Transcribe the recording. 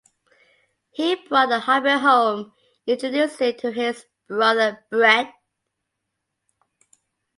He brought the hobby home and introduced it to his brother Bret.